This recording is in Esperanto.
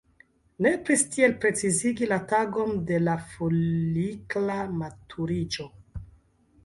Nepris tiel precizigi la tagon de la folikla maturiĝo.